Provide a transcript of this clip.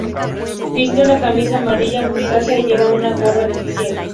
Viste una camisa amarilla mostaza y lleva una gorra de oficial.